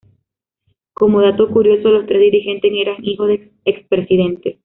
Como dato curioso, los tres dirigentes eran hijos de expresidentes.